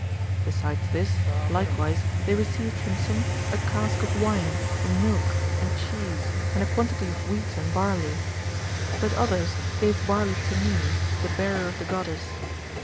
Besides this, likewise, they received from some a cask of wine, and milk, and cheese, and a quantity of wheat and barley ; but others gave barley to [me], the bearer of the Goddess.